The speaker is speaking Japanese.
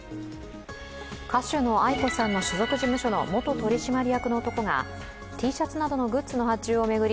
歌手のａｉｋｏさんの所属事務所の元取締役の男がＴシャツなどのグッズの発注を巡り